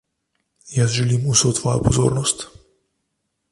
Jaz želim vso tvojo pozornost.